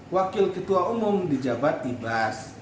wakil ketua umum di jabat ibas